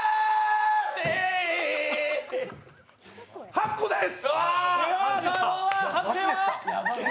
８個です。